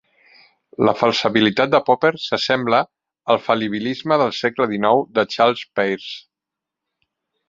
La falsabilitat de Popper s'assembla al fal·libilisme del segle XIX de Charles Peirce.